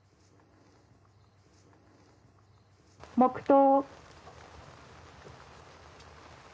黙とう。